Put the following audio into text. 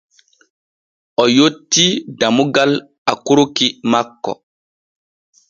O yottii dammugal akurki makko.